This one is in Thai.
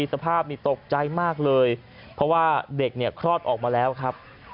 สภาพนี่ตกใจมากเลยเพราะว่าเด็กเนี่ยคลอดออกมาแล้วครับ